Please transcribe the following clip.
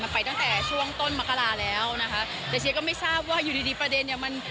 ไปตั้งแต่ช่วงต้นมกราแล้วนะคะแต่เชียร์ก็ไม่ทราบว่าอยู่ดีดีประเด็นเนี้ยมัน